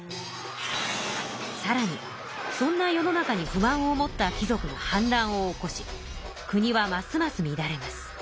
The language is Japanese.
さらにそんな世の中に不満を持った貴族が反乱を起こし国はますますみだれます。